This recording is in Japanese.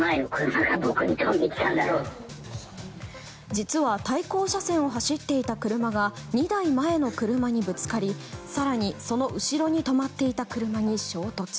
実は対向車線を走っていた車が２台前の車にぶつかり更に、その後ろに止まっていた車に衝突。